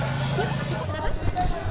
cukup cukup banget